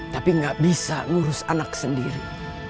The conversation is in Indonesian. tapi gak bisa ngurus anak sendiri